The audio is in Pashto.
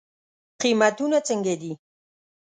قیمتونه څنګه دی؟